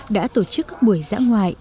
đã tổ chức các buổi dã ngoại